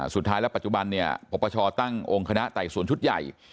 สุดท้ายแล้วปัจจุบันเนี่ยปปชตั้งองค์คณะไต่สวนชุดใหญ่